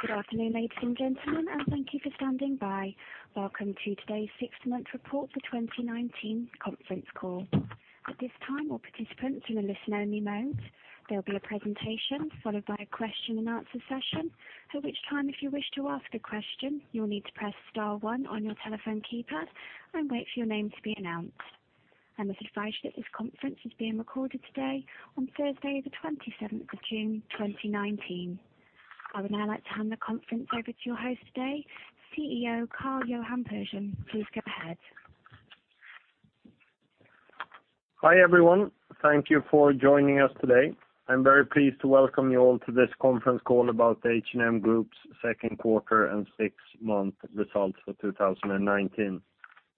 Good afternoon, ladies and gentlemen, and thank you for standing by. Welcome to Today's Six Month Report for 2019 Conference Call. At this time, all participants are in a listen-only mode. There'll be a presentation followed by a question-and-answer session. At which time, if you wish to ask a question, you'll need to press star one on your telephone keypad and wait for your name to be announced. I must advise you that this conference is being recorded today on Thursday, the 27th of June 2019. I would now like to hand the conference over to your host today, CEO Karl-Johan Persson. Please go ahead. Hi, everyone. Thank you for joining us today. I'm very pleased to welcome you all to this conference call about the H&M Group's second quarter and six-month results for 2019.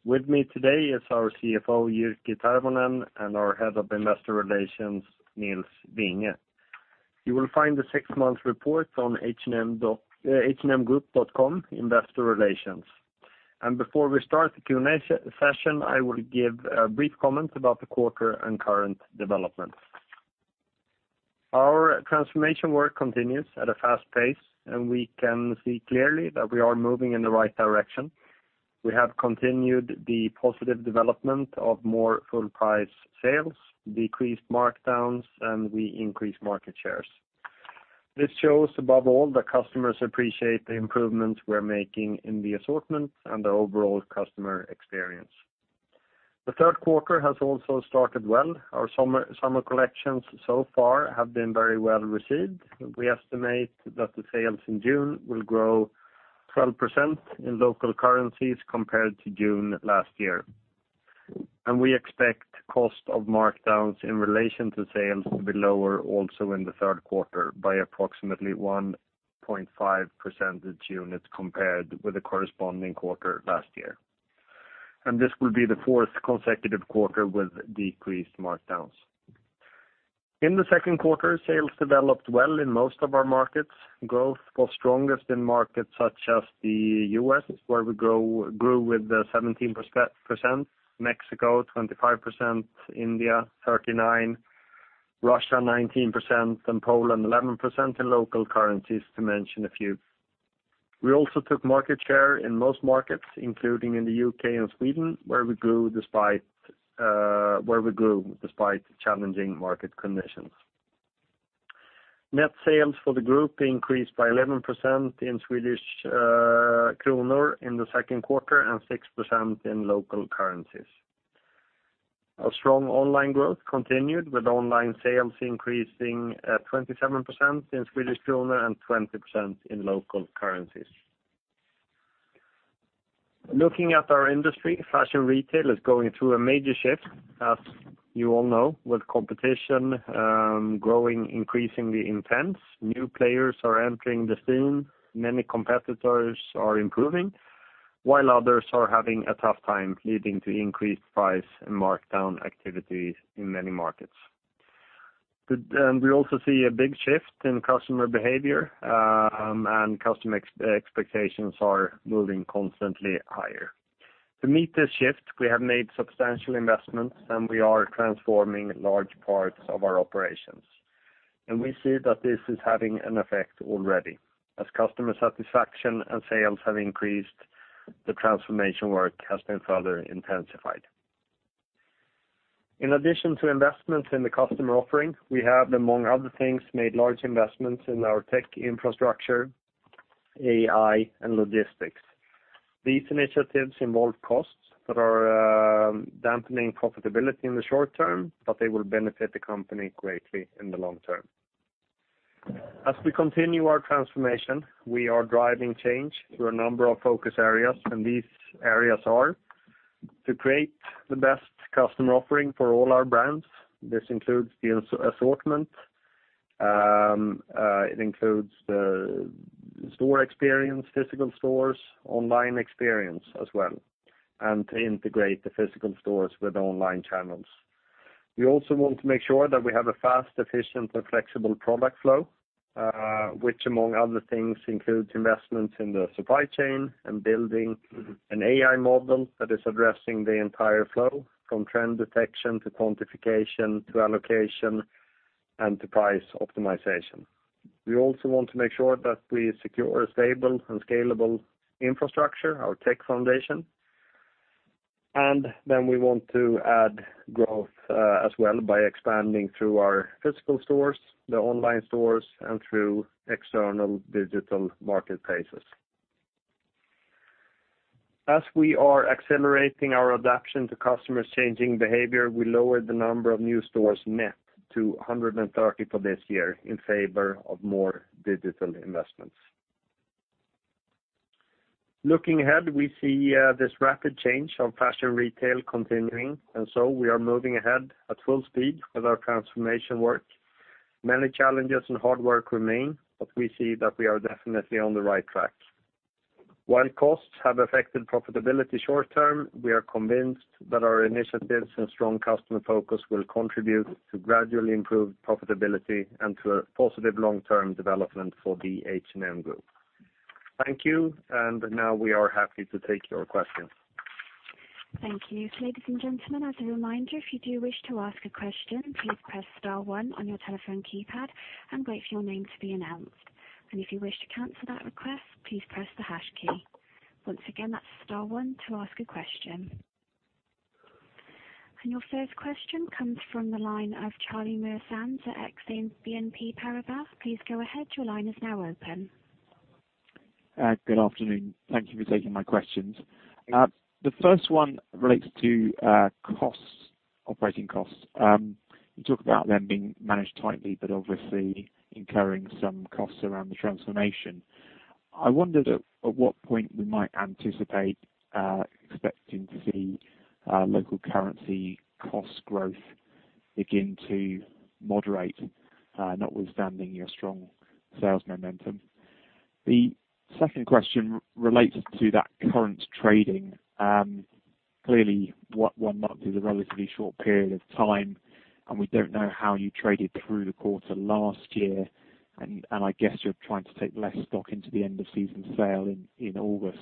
With me today is our CFO, Jyrki Tervonen, and our Head of Investor Relations, Nils Vinge. You will find the six-month report on hmgroup.com, investor relations. Before we start the Q&A session, I will give a brief comment about the quarter and current developments. Our transformation work continues at a fast pace, we can see clearly that we are moving in the right direction. We have continued the positive development of more full price sales, decreased markdowns, we increased market shares. This shows above all that customers appreciate the improvements we're making in the assortment and the overall customer experience. The third quarter has also started well. Our summer collections so far have been very well received. We estimate that the sales in June will grow 12% in local currencies compared to June last year. We expect cost of markdowns in relation to sales will be lower also in the third quarter by approximately 1.5 percentage units compared with the corresponding quarter last year. This will be the fourth consecutive quarter with decreased markdowns. In the second quarter, sales developed well in most of our markets. Growth was strongest in markets such as the U.S., where we grew with 17%, Mexico 25%, India 39%, Russia 19%, and Poland 11% in local currencies, to mention a few. We also took market share in most markets, including in the U.K. and Sweden, where we grew despite challenging market conditions. Net sales for the group increased by 11% in Swedish kroner in the second quarter and 6% in local currencies. Our strong online growth continued with online sales increasing at 27% in Swedish kroner and 20% in local currencies. Looking at our industry, fashion retail is going through a major shift, as you all know, with competition growing increasingly intense. New players are entering the scene. Many competitors are improving, while others are having a tough time leading to increased price and markdown activity in many markets. We also see a big shift in customer behavior, customer expectations are moving constantly higher. To meet this shift, we have made substantial investments, we are transforming large parts of our operations. We see that this is having an effect already. As customer satisfaction and sales have increased, the transformation work has been further intensified. In addition to investments in the customer offering, we have, among other things, made large investments in our tech infrastructure, AI, and logistics. These initiatives involve costs that are dampening profitability in the short term, but they will benefit the company greatly in the long term. As we continue our transformation, we are driving change through a number of focus areas, and these areas are: to create the best customer offering for all our brands. This includes the assortment, it includes the store experience, physical stores, online experience as well, and to integrate the physical stores with online channels. We also want to make sure that we have a fast, efficient, and flexible product flow, which among other things, includes investments in the supply chain and building an AI model that is addressing the entire flow, from trend detection, to quantification, to allocation, and to price optimization. We also want to make sure that we secure a stable and scalable infrastructure, our tech foundation, and then we want to add growth, as well, by expanding through our physical stores, the online stores, and through external digital marketplaces. As we are accelerating our adaption to customers' changing behavior, we lowered the number of new stores net to 130 for this year in favor of more digital investments. Looking ahead, we see this rapid change of fashion retail continuing, we are moving ahead at full speed with our transformation work. Many challenges and hard work remain, but we see that we are definitely on the right track. While costs have affected profitability short-term, we are convinced that our initiatives and strong customer focus will contribute to gradually improved profitability and to a positive long-term development for the H&M Group. Thank you, now we are happy to take your questions. Thank you. Ladies and gentlemen, as a reminder, if you do wish to ask a question, please press star one on your telephone keypad and wait for your name to be announced. If you wish to cancel that request, please press the hash key. Once again, that's star one to ask a question. Your first question comes from the line of Charlie Muir-Sands at Exane BNP Paribas. Please go ahead. Your line is now open. Good afternoon. Thank you for taking my questions. The first one relates to operating costs. You talk about them being managed tightly but obviously incurring some costs around the transformation. I wondered at what point we might anticipate expecting to see local currency cost growth begin to moderate, notwithstanding your strong sales momentum. The second question relates to that current trading. Clearly, one month is a relatively short period of time, and we don't know how you traded through the quarter last year, and I guess you're trying to take less stock into the end-of-season sale in August.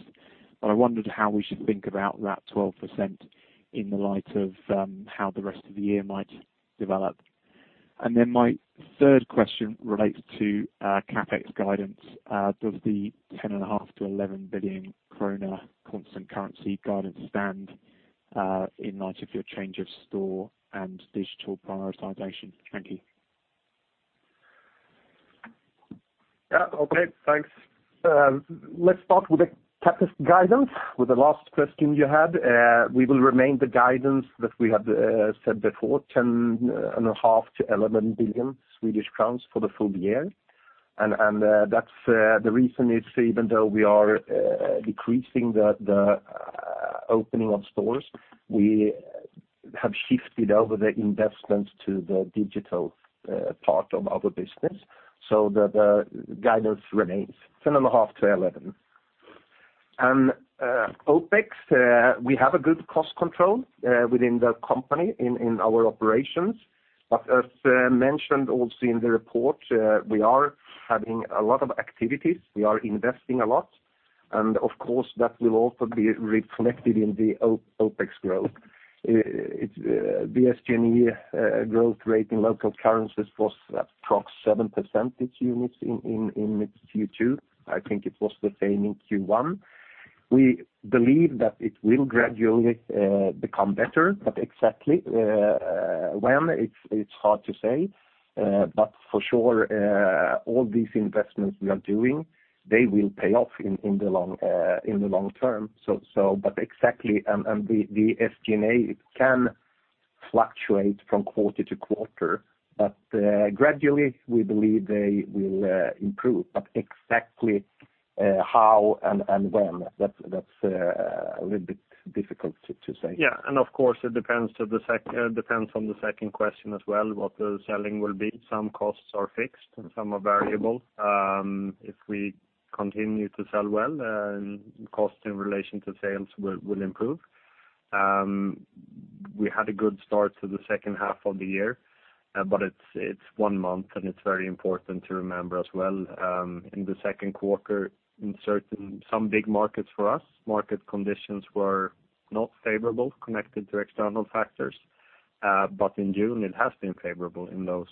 I wondered how we should think about that 12% in light of how the rest of the year might develop. My third question relates to CapEx guidance. Does the 10.5 billion-11 billion krona constant currency guidance stand in light of your change of store and digital prioritization? Thank you. Okay. Thanks. Let's start with the CapEx guidance with the last question you had. We will remain the guidance that we had said before, 10.5 billion-11 billion Swedish crowns for the full year. The reason is, even though we are decreasing the opening of stores, we have shifted over the investments to the digital part of our business, so the guidance remains 10.5 billion-11 billion. OpEx, we have a good cost control within the company in our operations. As mentioned also in the report, we are having a lot of activities. We are investing a lot. Of course, that will also be reflected in the OpEx growth. The SG&A growth rate in local currencies was approximately 7 percentage unit in Q2. I think it was the same in Q1. We believe that it will gradually become better. Exactly when, it's hard to say. For sure, all these investments we are doing, they will pay off in the long term. The SG&A can fluctuate from quarter to quarter, but gradually, we believe they will improve. Exactly how and when, that's a little bit difficult to say. Yeah. Of course, it depends on the second question as well, what the selling will be. Some costs are fixed and some are variable. If we continue to sell well, cost in relation to sales will improve. We had a good start to the second half of the year, but it's one month, and it's very important to remember as well, in the second quarter, in some big markets for us, market conditions were not favorable, connected to external factors. In June, it has been favorable in those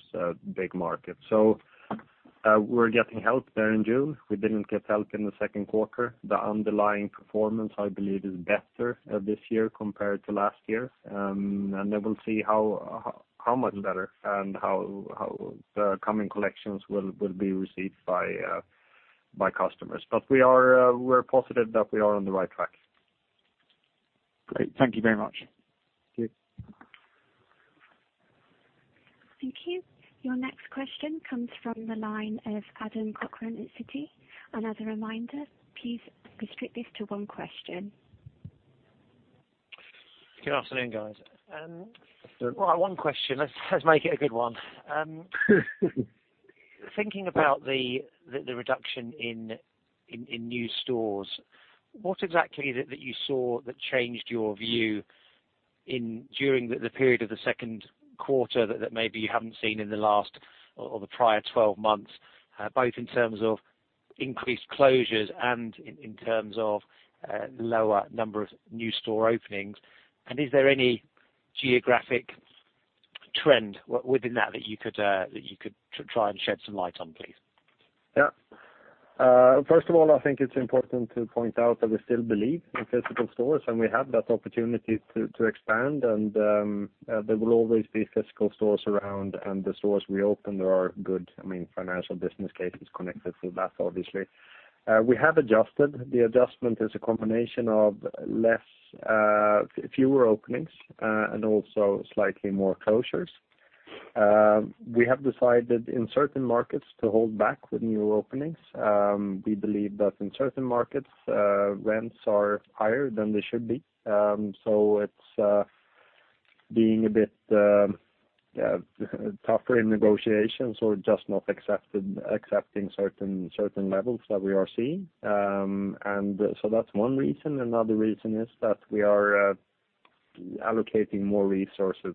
big markets. We're getting help there in June. We didn't get help in the second quarter. The underlying performance, I believe, is better this year compared to last year. Then we'll see how much better and how the coming collections will be received by customers. We're positive that we are on the right track. Great. Thank you very much. Thank you. Thank you. Your next question comes from the line of Adam Cochrane at Citi. As a reminder, please restrict this to one question. Good afternoon, guys. Good afternoon. Well, one question. Let's make it a good one. Thinking about the reduction in new stores, what exactly is it that you saw that changed your view during the period of the second quarter that maybe you haven't seen in the last or the prior 12 months, both in terms of increased closures and in terms of lower number of new store openings? Is there any geographic trend within that you could try and shed some light on, please? Yeah. First of all, I think it's important to point out that we still believe in physical stores, and we have that opportunity to expand. There will always be physical stores around, and the stores we open, there are good financial business cases connected to that, obviously. We have adjusted. The adjustment is a combination of fewer openings and also slightly more closures. We have decided in certain markets to hold back with new openings. We believe that in certain markets, rents are higher than they should be. It's being a bit tougher in negotiations or just not accepting certain levels that we are seeing. That's one reason. Another reason is that we are allocating more resources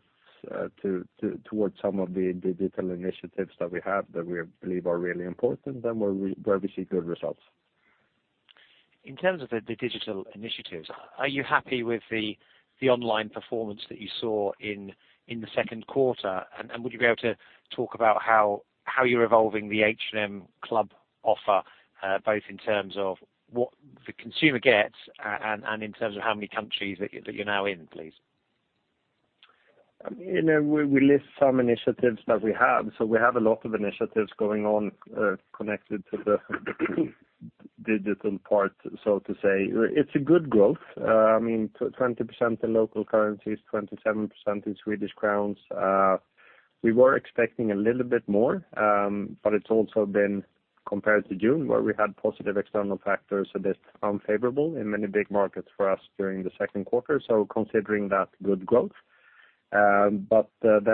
towards some of the digital initiatives that we have that we believe are really important and where we see good results. In terms of the digital initiatives, are you happy with the online performance that you saw in the second quarter, and would you be able to talk about how you're evolving the H&M Club offer, both in terms of what the consumer gets and in terms of how many countries that you're now in, please? We list some initiatives that we have. We have a lot of initiatives going on connected to the digital part, so to say. It's a good growth. I mean, 20% in local currencies, 27% in Swedish kroner. We were expecting a little bit more, but it's also been compared to June, where we had positive external factors that are unfavorable in many big markets for us during the second quarter. Considering that good growth.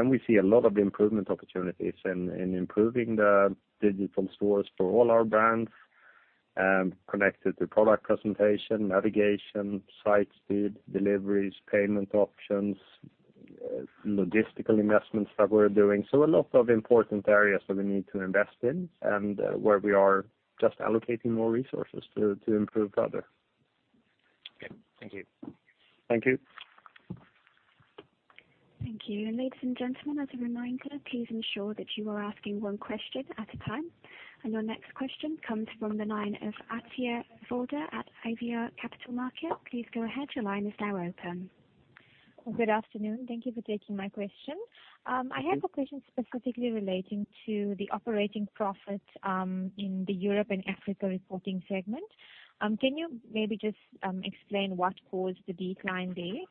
We see a lot of improvement opportunities in improving the digital stores for all our brands, connected to product presentation, navigation, site speed, deliveries, payment options, logistical investments that we're doing. A lot of important areas that we need to invest in and where we are just allocating more resources to improve further. Okay. Thank you. Thank you. Thank you. Ladies and gentlemen, as a reminder, please ensure that you are asking one question at a time. Your next question comes from the line of Atiyyah Vawda at Avior Capital Markets. Please go ahead. Your line is now open. Good afternoon. Thank you for taking my question. I have a question specifically relating to the operating profit in the Europe and Africa reporting segment. Can you maybe just explain what caused the decline there?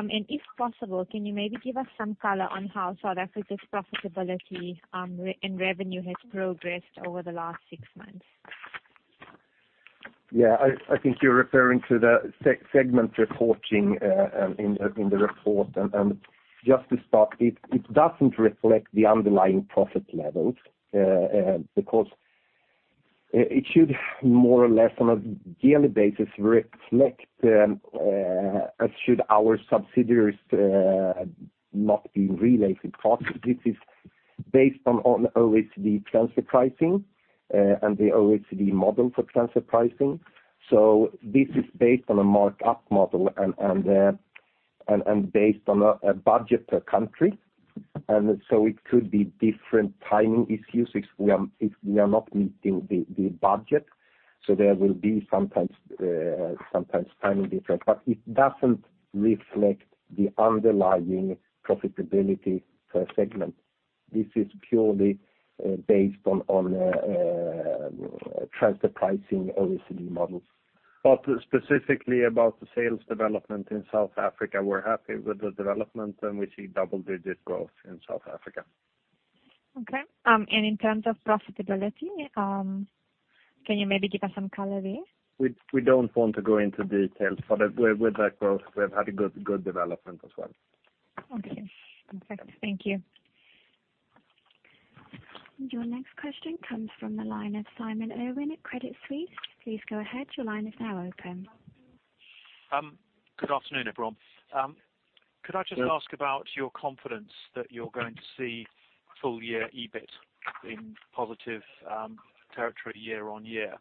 If possible, can you maybe give us some color on how South Africa's profitability and revenue has progressed over the last six months? Yeah. I think you're referring to the segment reporting in the report. Just to start, it doesn't reflect the underlying profit levels, because it should more or less on a yearly basis reflect, as should our subsidiaries, not be related costs. This is based on OECD transfer pricing and the OECD model for transfer pricing. This is based on a marked-up model and based on a budget per country. It could be different timing issues if we are not meeting the budget. There will be sometimes timing difference. It doesn't reflect the underlying profitability per segment. This is purely based on transfer pricing OECD models. Specifically about the sales development in South Africa, we're happy with the development, and we see double-digit growth in South Africa. Okay. In terms of profitability, can you maybe give us some color there? We don't want to go into details. With that growth, we've had a good development as well. Okay. Perfect. Thank you. Your next question comes from the line of Simon Irwin at Credit Suisse. Please go ahead. Your line is now open. Good afternoon, everyone. Could I just ask about your confidence that you're going to see full year EBIT in positive territory year-on-year,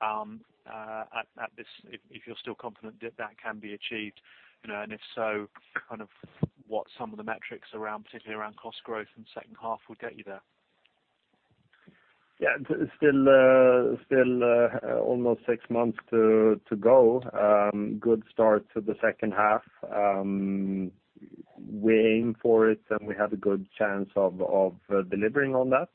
if you're still confident that that can be achieved, and if so, what some of the metrics around, particularly around cost growth in the second half will get you there? Yeah. Still almost six months to go. Good start to the second half. We aim for it, and we have a good chance of delivering on that.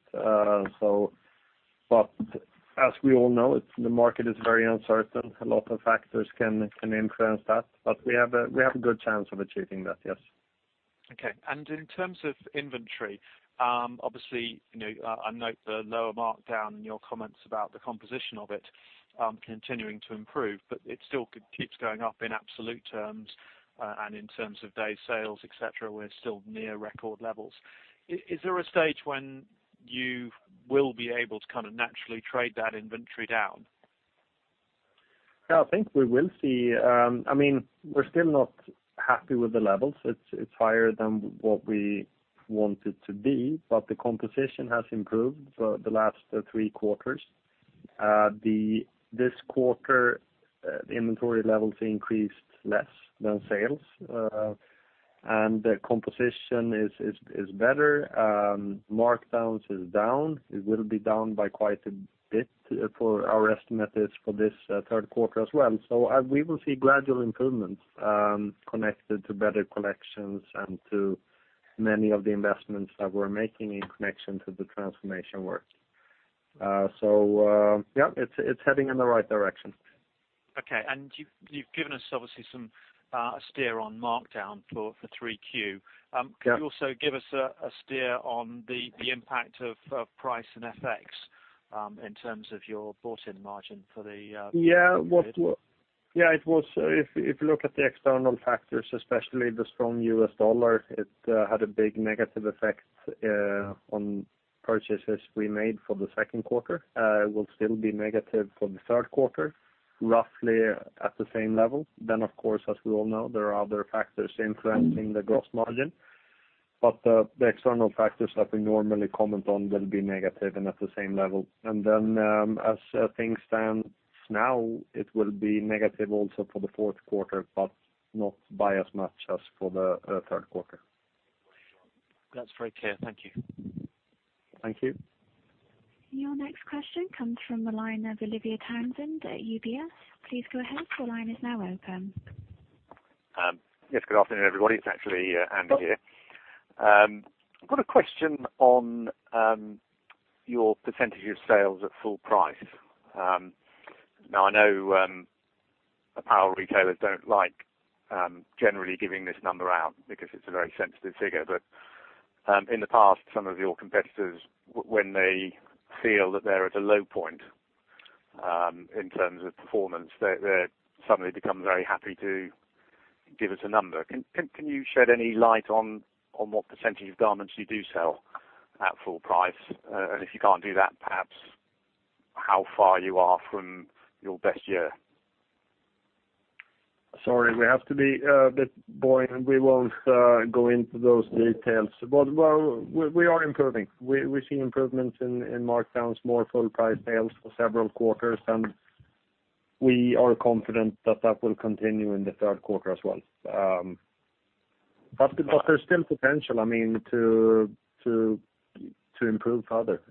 As we all know, the market is very uncertain. A lot of factors can influence that, but we have a good chance of achieving that, yes. Okay. In terms of inventory, obviously, I note the lower markdown and your comments about the composition of it continuing to improve, but it still keeps going up in absolute terms. In terms of day sales, et cetera, we're still near record levels. Is there a stage when you will be able to naturally trade that inventory down? Yeah, I think we will see. We're still not happy with the levels. It's higher than what we want it to be, but the composition has improved for the last three quarters. This quarter, the inventory levels increased less than sales. The composition is better. Markdowns is down. It will be down by quite a bit for our estimate for this third quarter as well. We will see gradual improvements connected to better collections and to many of the investments that we're making in connection to the transformation work. Yeah, it's heading in the right direction. Okay. You've given us obviously some steer on markdown for 3Q. Yeah. Could you also give us a steer on the impact of price and FX in terms of your bought-in margin for the period? Yeah. If you look at the external factors, especially the strong US dollar, it had a big negative effect on purchases we made for the second quarter. Will still be negative for the third quarter, roughly at the same level. Of course, as we all know, there are other factors influencing the gross margin. The external factors that we normally comment on will be negative and at the same level. As things stand now, it will be negative also for the fourth quarter, but not by as much as for the third quarter. That's very clear. Thank you. Thank you. Your next question comes from the line of Olivia Townsend at UBS. Please go ahead. Your line is now open. Yes, good afternoon, everybody. It's actually Andy here. I've got a question on your percentage of sales at full price. I know apparel retailers don't like generally giving this number out because it's a very sensitive figure. In the past, some of your competitors, when they feel that they're at a low point, in terms of performance, they suddenly become very happy to give us a number. Can you shed any light on what percentage of garments you do sell at full price? If you can't do that, perhaps how far you are from your best year? Sorry, we have to be a bit boring, and we won't go into those details. Well, we are improving. We've seen improvements in markdowns, more full price sales for several quarters, and we are confident that that will continue in the third quarter as well. There's still potential, to improve further.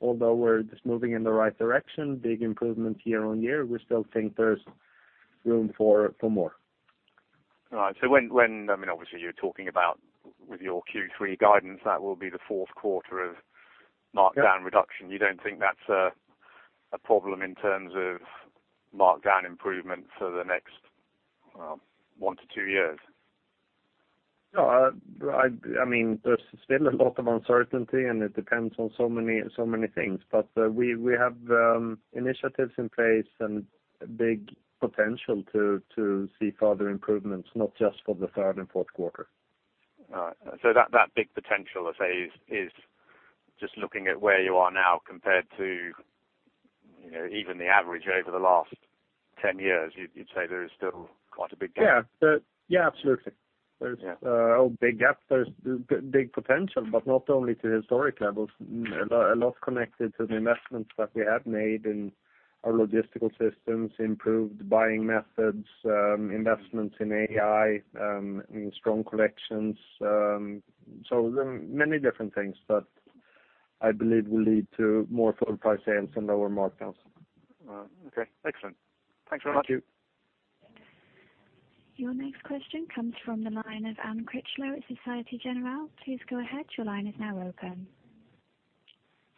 Although we're just moving in the right direction, big improvement year-over-year, we still think there's room for more. All right. Obviously you're talking about with your Q3 guidance, that will be the fourth quarter of markdown- Yep reduction. You don't think that's a problem in terms of markdown improvement for the next one to two years? No. There's still a lot of uncertainty. It depends on so many things. We have initiatives in place and big potential to see further improvements, not just for the third and fourth quarter. All right. That big potential, I say is just looking at where you are now compared to even the average over the last 10 years, you'd say there is still quite a big gap? Yeah, absolutely. Yeah. There's a big gap. There's big potential, not only to historic levels. A lot connected to the investments that we have made in our logistical systems, improved buying methods, investments in AI, in strong collections. Many different things that I believe will lead to more full price sales and lower markdowns. Okay, excellent. Thanks very much. Thank you. Your next question comes from the line of Anne Critchlow at Société Générale. Please go ahead. Your line is now open.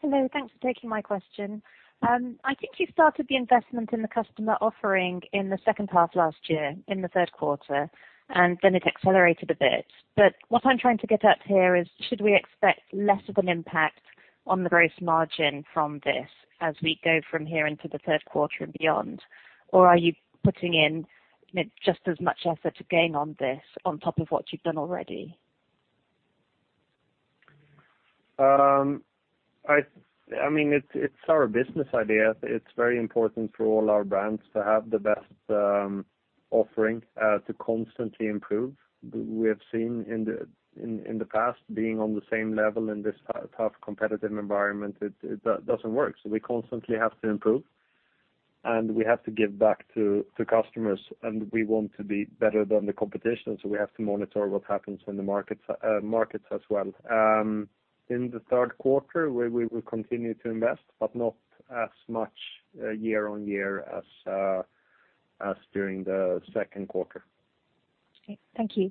Hello, thanks for taking my question. I think you started the investment in the customer offering in the second half last year in the third quarter, then it accelerated a bit. What I'm trying to get at here is should we expect less of an impact on the gross margin from this as we go from here into the third quarter and beyond? Are you putting in just as much effort again on this on top of what you've done already? It's our business idea. It's very important for all our brands to have the best offering, to constantly improve. We have seen in the past, being on the same level in this tough competitive environment, it doesn't work. We constantly have to improve, we have to give back to customers, we want to be better than the competition. We have to monitor what happens in the markets as well. In the third quarter, we will continue to invest, not as much year on year as during the second quarter. Okay. Thank you.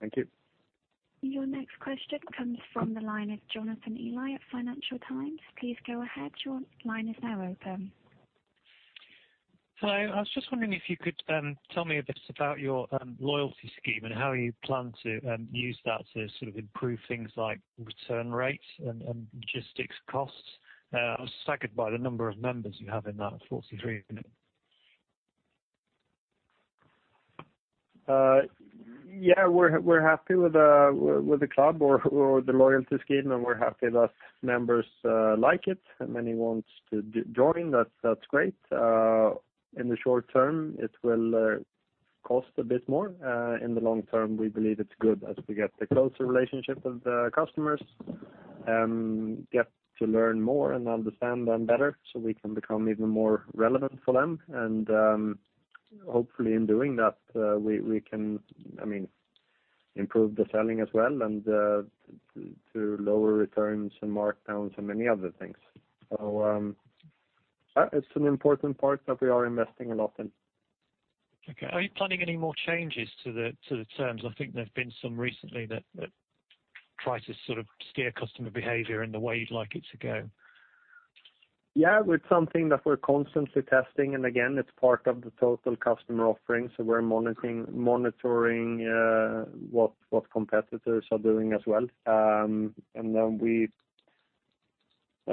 Thank you. Your next question comes from the line of Jonathan Eley at Financial Times. Please go ahead. Your line is now open. Hello. I was just wondering if you could tell me a bit about your loyalty scheme and how you plan to use that to sort of improve things like return rates and logistics costs. I was staggered by the number of members you have in that, 43 million. Yeah. We're happy with the Club or the loyalty scheme, and we're happy that members like it. Many want to join. That's great. In the short term, it will cost a bit more. In the long term, we believe it's good as we get a closer relationship with the customers, get to learn more and understand them better, so we can become even more relevant for them. Hopefully in doing that, we can improve the selling as well and through lower returns and markdowns and many other things. It's an important part that we are investing a lot in. Okay. Are you planning any more changes to the terms? I think there've been some recently that try to sort of steer customer behavior in the way you'd like it to go. Yeah. It's something that we're constantly testing, and again, it's part of the total customer offering, so we're monitoring what competitors are doing as well.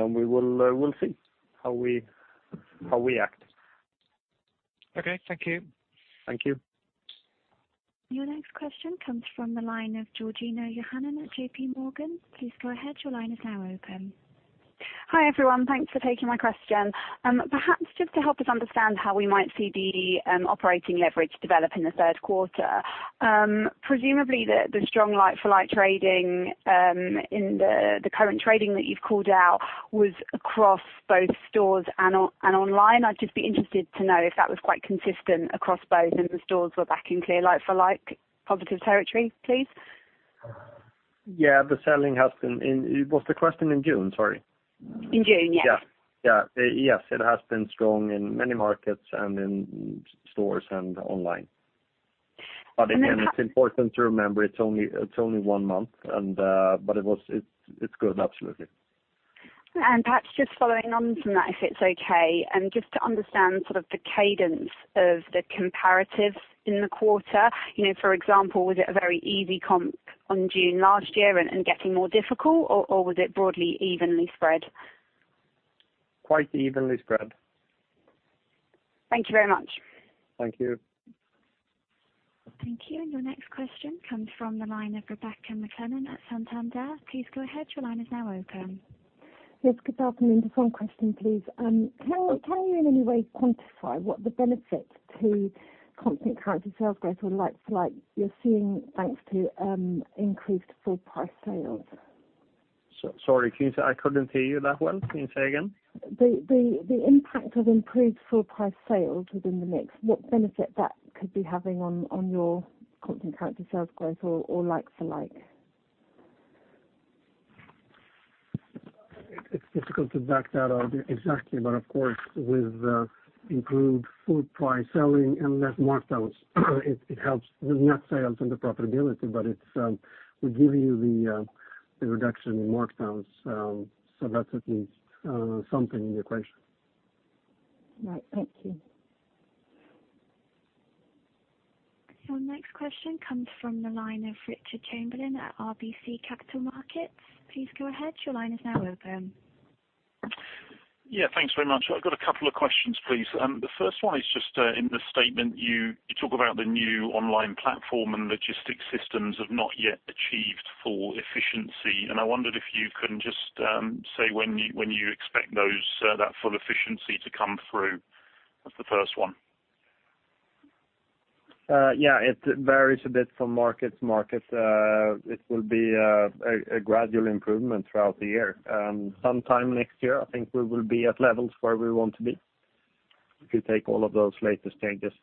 We'll see how we act. Okay. Thank you. Thank you. Your next question comes from the line of Georgina Johanan at JP Morgan. Please go ahead. Your line is now open Hi, everyone. Thanks for taking my question. Perhaps just to help us understand how we might see the operating leverage develop in the third quarter. Presumably, the strong like-for-like trading in the current trading that you've called out was across both stores and online. I'd just be interested to know if that was quite consistent across both and the stores were back in clear like-for-like positive territory, please. Yeah, the selling has been Was the question in June? Sorry. In June, yes. Yeah. Yes, it has been strong in many markets and in stores and online. Again, it's important to remember it's only one month. It's good, absolutely. Perhaps just following on from that, if it's okay, just to understand sort of the cadence of the comparatives in the quarter. For example, was it a very easy comp on June last year and getting more difficult, or was it broadly evenly spread? Quite evenly spread. Thank you very much. Thank you. Thank you. Your next question comes from the line of Rebecca McClellan at Santander. Please go ahead. Your line is now open. Yes, good afternoon. Just one question, please. Can you in any way quantify what the benefit to constant currency sales growth or like for like you're seeing, thanks to increased full price sales? Sorry, can you say, I couldn't hear you that well. Can you say again? The impact of improved full price sales within the mix, what benefit that could be having on your constant currency sales growth or like for like? It's difficult to back that out exactly. Of course, with improved full price selling and less markdowns, it helps with net sales and the profitability, but it will give you the reduction in markdowns. That's at least something in the equation. Right. Thank you. Our next question comes from the line of Richard Chamberlain at RBC Capital Markets. Please go ahead. Your line is now open. Thanks very much. I've got a couple of questions, please. The first one is just in the statement, you talk about the new online platform and logistics systems have not yet achieved full efficiency. I wondered if you can just say when you expect that full efficiency to come through. That's the first one. Yeah. It varies a bit from market to market. It will be a gradual improvement throughout the year. Sometime next year, I think we will be at levels where we want to be, if you take all of those latest changes.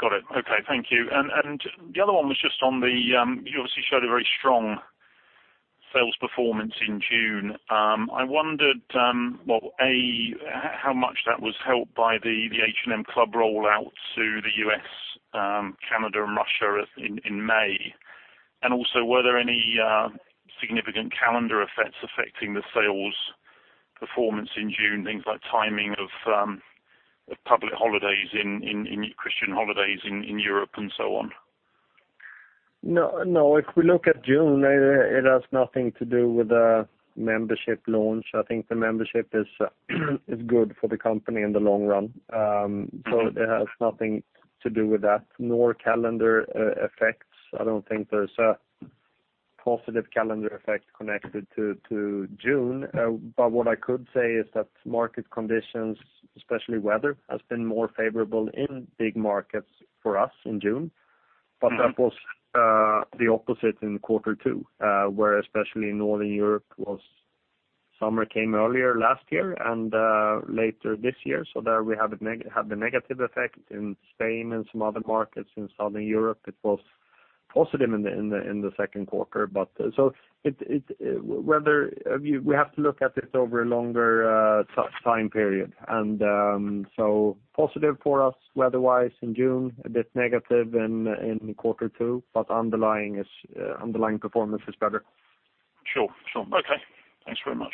Got it. Okay. Thank you. The other one was just on the, you obviously showed a very strong sales performance in June. I wondered, well, A, how much that was helped by the H&M Club rollout to the U.S., Canada, and Russia in May. Also, were there any significant calendar effects affecting the sales performance in June? Things like timing of public holidays, Christian holidays in Europe and so on. No. If we look at June, it has nothing to do with the membership launch. I think the membership is good for the company in the long run. It has nothing to do with that, nor calendar effects. I don't think there's a positive calendar effect connected to June. What I could say is that market conditions, especially weather, has been more favorable in big markets for us in June. That was the opposite in quarter two, where especially in Northern Europe, summer came earlier last year and later this year. There we had the negative effect in Spain and some other markets in Southern Europe. It was positive in the second quarter. We have to look at it over a longer time period. Positive for us weather-wise in June, a bit negative in quarter two, but underlying performance is better. Sure. Okay. Thanks very much.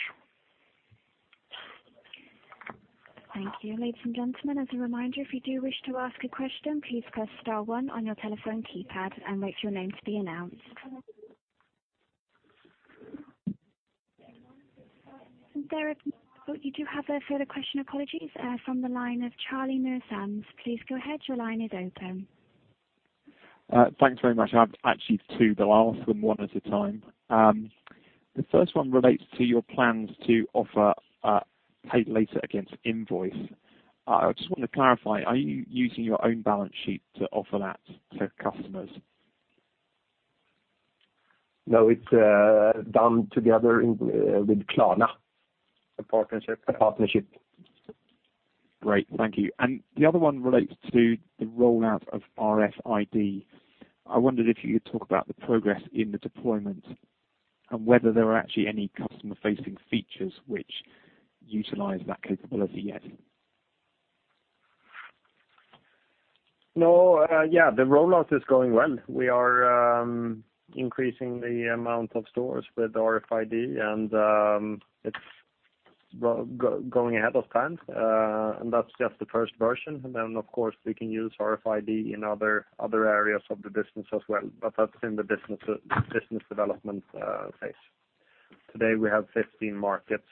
Thank you. Ladies and gentlemen, as a reminder, if you do wish to ask a question, please press star one on your telephone keypad and wait for your name to be announced. You do have a further question, apologies, from the line of Charlie Muir-Sands. Please go ahead. Your line is open. Thanks very much. I have actually two, but I'll ask them one at a time. The first one relates to your plans to offer pay later against invoice. I just want to clarify, are you using your own balance sheet to offer that to customers? No, it's done together with Klarna. A partnership. A partnership. Great. Thank you. The other one relates to the rollout of RFID. I wondered if you could talk about the progress in the deployment and whether there are actually any customer-facing features which utilize that capability yet. Yeah, the rollout is going well. We are increasing the amount of stores with RFID, and it's going ahead of plan. That's just the first version. Then, of course, we can use RFID in other areas of the business as well, but that's in the business development phase. Today, we have 15 markets.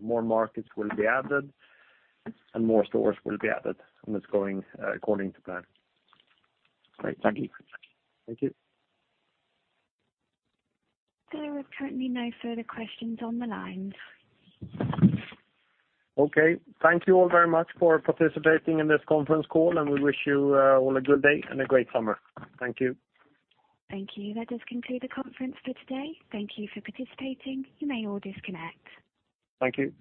More markets will be added, and more stores will be added, and it's going according to plan. Great. Thank you. Thank you. There are currently no further questions on the line. Okay. Thank you all very much for participating in this conference call, and we wish you all a good day and a great summer. Thank you. Thank you. That does conclude the conference for today. Thank you for participating. You may all disconnect. Thank you.